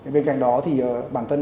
bên cạnh đó thì bản thân